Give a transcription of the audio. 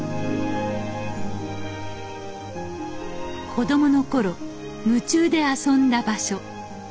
子どもの頃夢中で遊んだ場所。